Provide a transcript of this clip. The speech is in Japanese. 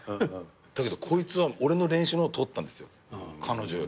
だけどこいつは俺の練習の方取ったんですよ彼女より。